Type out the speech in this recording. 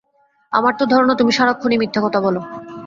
আমার তো ধারণা, তুমি সারাক্ষণই মিথ্যা কথা বল।